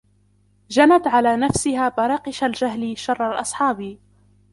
جنت على نفسها براقش الجهل شر الأصحاب